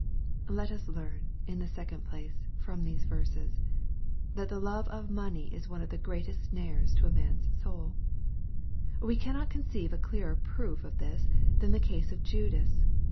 Let us learn, in the second place, from these verses, rikat the love of money is one of the greatest snares to a man's soul.] We cannot conceive a clearer proof of this, than the case of Judas.